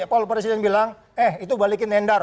pol presiden bilang eh itu balikin nendar